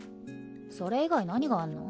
それ以外何があんの？